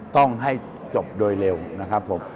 ต้องให้จบโดยเร็วนะครับผม